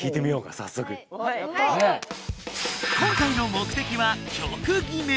今回の目的は「曲決め」！